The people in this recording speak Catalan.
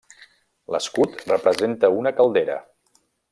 L'escut representa una caldera.